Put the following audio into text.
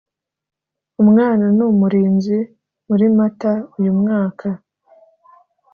umwana n’umurinzi muri Mata uyu mwaka